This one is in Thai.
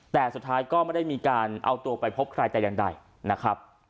แต่สุดท้ายก็ไม่ได้มีการเอาตัวไปพบใครแต่อย่างใดนะครับ